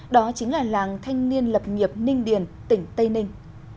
đó chính là làng thanh niên lập nghiệp ninh điền tỉnh tây ninh